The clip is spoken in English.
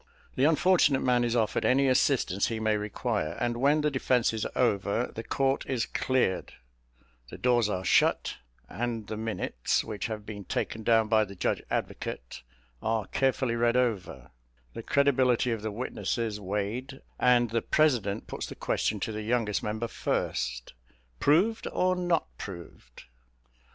The unfortunate man is offered any assistance he may require; and when the defence is over, the court is cleared, the doors are shut, and the minutes, which have been taken down by the judge advocate, are carefully read over, the credibility of the witnesses weighed, and the president puts the question to the youngest member first, "Proved, or not proved?"